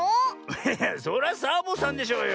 そりゃサボさんでしょうよ。